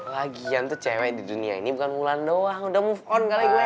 lagian tuh cewek di dunia ini bukan mulan doang udah move on kali gula